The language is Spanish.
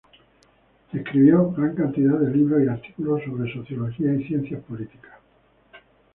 El escribió gran cantidad de libros y artículos sobre Sociología y Ciencias Políticas.